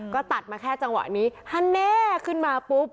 ก็ตัดมาแค่จังหวะนี้ถ้าแน่ขึ้นมาปุ๊บ